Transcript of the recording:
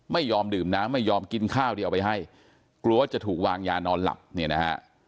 ไม่ยอมดื่มน้ำไม่ยอมกินข้าวที่เอาไปให้กลัวว่าจะถูกวางยานอนหลับเนี่ยนะฮะ